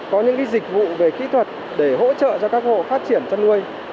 có những dịch vụ về kỹ thuật để hỗ trợ cho các hộ phát triển chăn nuôi